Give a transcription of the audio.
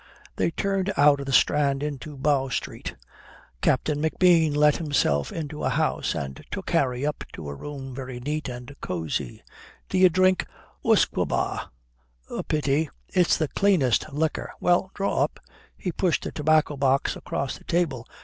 They turned out of the Strand into Bow Street. Captain McBean let himself into a house, and took Harry up to a room very neat and cosy. "D'ye drink usquebaugh? A pity. It's the cleanest liquor. Well, draw up." He pushed a tobacco box across the table.